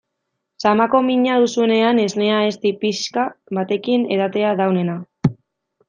Samako mina duzunean esnea ezti pixka batekin edatea da onena.